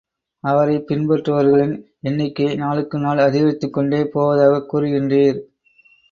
அவரைப் பின்பற்றுபவர்களின் எண்ணிக்கை நாளுக்கு நாள் அதிகரித்துக் கொண்டே போவதாகக் கூறுகின்றீர்.